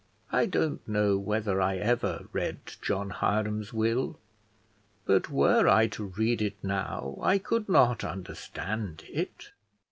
I don't know whether I ever read John Hiram's will, but were I to read it now I could not understand it.